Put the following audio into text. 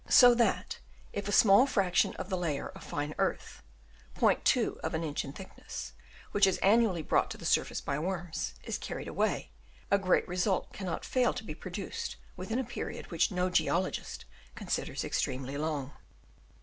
So that, if a small fraction of the layer of fine earth, *2 of an inch in thickness, which is annually brought to the surface by worms, is carried away, a great result cannot fail to be produced within a period which no geologist considers ex tremely long.